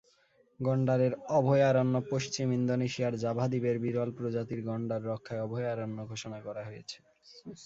গন্ডারের অভয়ারণ্যপশ্চিম ইন্দোনেশিয়ার জাভা দ্বীপের বিরল প্রজাতির গন্ডার রক্ষায় অভয়ারণ্য ঘোষণা করা হয়েছে।